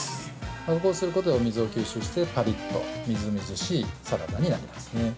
こうすることで、お水を吸収してパリッとみずみずしいサラダになりますね。